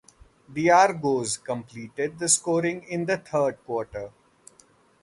The Argos completed the scoring in the third quarter.